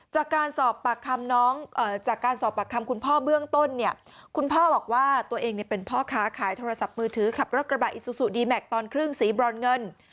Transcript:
จากการสอบปากคำคุณพ่อเบื้องต้น